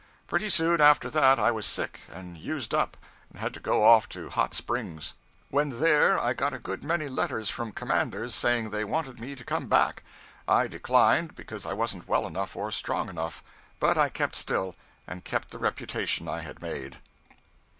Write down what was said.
Pretty soon after that I was sick, and used up, and had to go off to the Hot Springs. When there, I got a good many letters from commanders saying they wanted me to come back. I declined, because I wasn't well enough or strong enough; but I kept still, and kept the reputation I had made.